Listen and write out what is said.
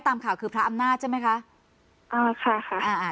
ตามข่าวคือพระอำนาจใช่ไหมคะอ่าค่ะค่ะอ่า